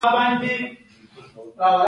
عدلیې وزارت د قوانینو مسوول دی